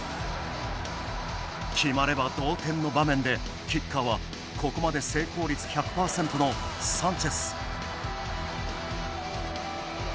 決まれば同点の場面でキッカーはここまで成功率１００％のサンチェス。